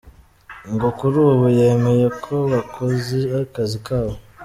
Ngo kuri ubu yemeye ko bakoze akazi kabo.